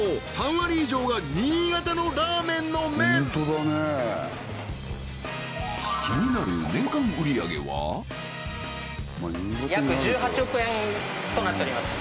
３割以上が新潟のラーメンの麺気になる約１８億円となっております